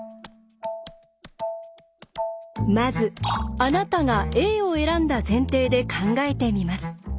まずあなたがＡを選んだ前提で考えてみます。